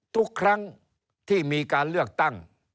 ทุกครั้งที่มีการเลือกตั้ง